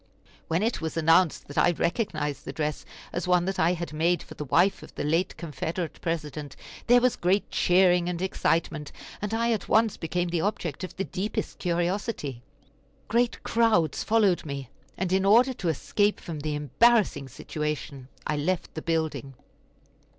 When it was announced that I recognized the dress as one that I had made for the wife of the late Confederate President there was great cheering and excitement, and I at once became the object of the deepest curiosity. Great crowds followed me, and in order to escape from the embarrassing situation I left the building.